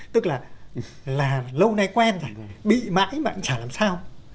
tức là lâu nay quen rồi bị mãi mà cũng chả làm sao